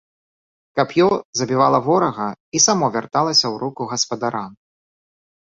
Кап'ё забівала ворага і само вярталася ў руку гаспадара.